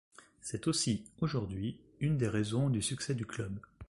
C'est aussi, aujourd'hui, une des raisons du succès du club.